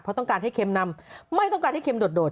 เพราะต้องการให้เค็มนำไม่ต้องการให้เค็มโดด